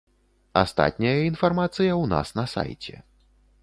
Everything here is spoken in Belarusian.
Астатняя інфармацыя ў нас на сайце.